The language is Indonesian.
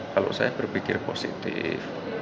kalau saya berpikir positif